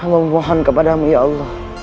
memohon kepadamu ya allah